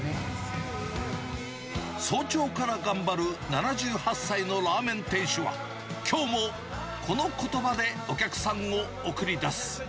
早朝から頑張る７８歳のラーメン店主は、きょうもこのことばでお客さんを送り出す。